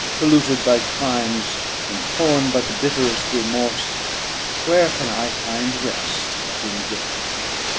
Polluted by crimes, and torn by the bitterest remorse, where can I find rest but in death?